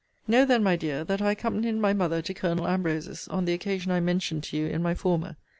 Know, then, my dear, that I accompanied my mother to Colonel Ambrose's on the occasion I mentioned to you in my former.